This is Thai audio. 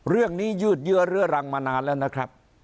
เรื่องนี้ยืดเยื้อเรื้อรังมานานแล้วนะครับ